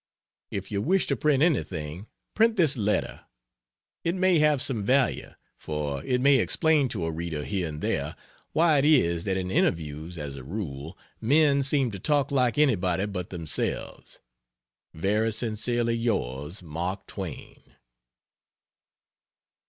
If you wish to print anything print this letter; it may have some value, for it may explain to a reader here and there why it is that in interviews, as a rule, men seem to talk like anybody but themselves. Very sincerely yours, MARK TWAIN.